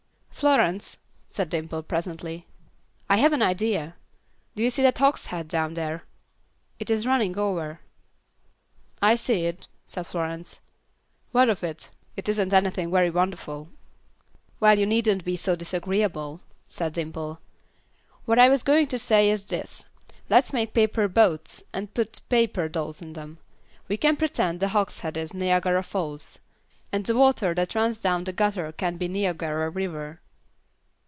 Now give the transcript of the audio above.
"Florence," said Dimple, presently, "I have an idea. Do you see that hogshead down there? It is running over." "I see it," said Florence. "What of it; it isn't anything very wonderful." "Well, you needn't be so disagreeable," said Dimple. "What I was going to say, is this; let's make paper boats, and put paper dolls in them. We can pretend the hogshead is Niagara Falls, and the water that runs down the gutter can be Niagara river."